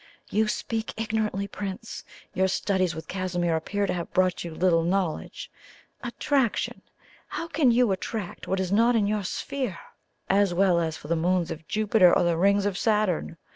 "You speak ignorantly, Prince. Your studies with Casimir appear to have brought you little knowledge. Attraction! How can you attract what is not in your sphere? As well ask for the Moons of Jupiter or the Ring of Saturn!